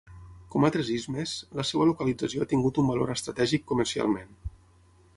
Com altres istmes, la seva localització ha tingut un valor estratègic comercialment.